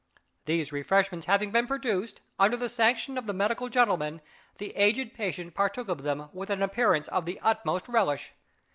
These refreshments having been produced, under the sanction of the medical gentlemen, the aged patient partook of them with an appearance of the utmost relish.